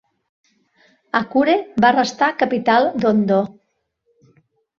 Akure va restar capital d'Ondo.